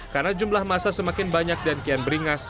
karena jumlah masa semakin banyak dan kian beringas